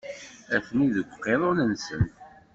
Atni deg uqiḍun-nsen.